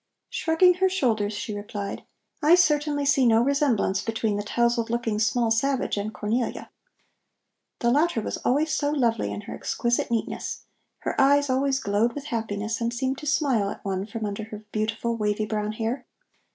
Shrugging her shoulders, she replied: "I certainly see no resemblance between the tousled looking small savage and Cornelia. The latter always was so lovely in her exquisite neatness. Her eyes always glowed with happiness and seemed to smile at one from under her beautiful, wavy brown hair.